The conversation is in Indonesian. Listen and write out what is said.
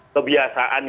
kebiasaan yang terjadi dan